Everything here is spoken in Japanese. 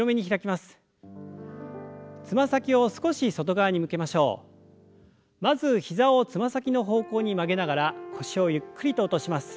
まず膝をつま先の方向に曲げながら腰をゆっくりと落とします。